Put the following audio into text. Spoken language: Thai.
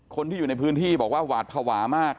คนที่อยู่ในพื้นที่บอกว่าหวาดภาวะมาก